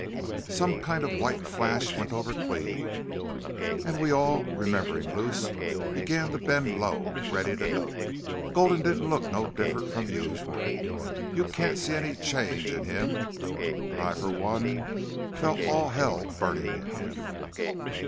"Some kind of a white flash went over Cleve. An' we all, rememberin' Luce, began to bend low, ready to duck. Gulden didn't look no different from usual. You can't see any change in him. But I for one felt all hell burnin' in him.